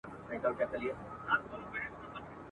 چي عزت ساتلای نه سي د بګړیو ..